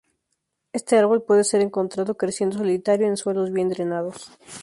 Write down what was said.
Este árbol puede ser encontrado creciendo solitario en suelos bien drenados.